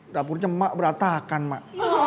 dapurnya mbak berattakan mbak